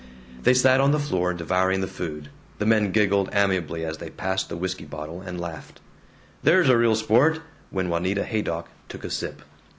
They sat on the floor, devouring the food. The men giggled amiably as they passed the whisky bottle, and laughed, "There's a real sport!" when Juanita Haydock took a sip.